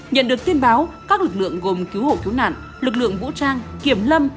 nhận được tin báo các lực lượng gồm cứu hộ cứu nạn lực lượng vũ trang kiểm lâm